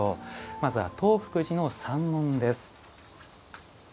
まずは東福寺の三門です。